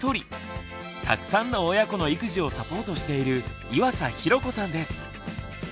たくさんの親子の育児をサポートしている岩佐寛子さんです。